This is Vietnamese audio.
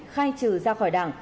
khai trừ ra khỏi đảng